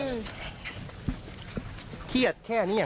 เมื่อกี้แค่นี้